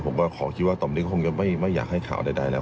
ขอคิดว่าตอนนี้ก็คงจะไม่อยากให้ข่าวใดแล้ว